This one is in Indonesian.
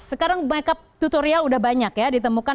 sekarang backup tutorial udah banyak ya ditemukan